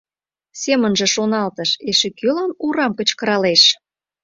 Семынже шоналтыш: эше кӧлан «урам» кычкыралеш.